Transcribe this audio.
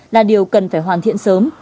là điều cần phải hoàn thiện sớm